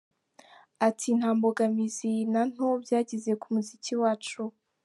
Ati, “Nta mbogamizi na nto byagize ku muziki wacu.